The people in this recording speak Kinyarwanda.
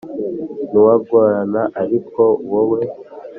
nuwagorana ariko wowe